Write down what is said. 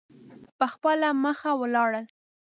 په خپله مخه ولاړل.